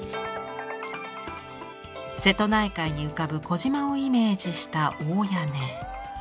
瀬戸内海に浮かぶ小島をイメージした大屋根。